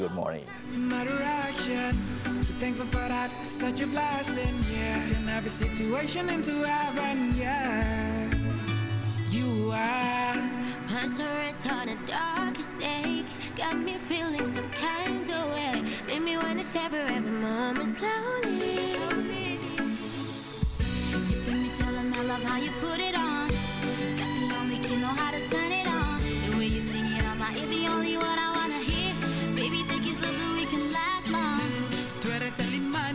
housekeeping ada banyak di rumah